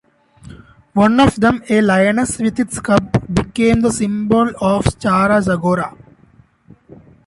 One of them, a lioness with its cub, became the symbol of Stara Zagora.